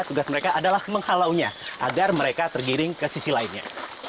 tugas mereka adalah menghalaunya agar mereka tergiring ke sisi lainnya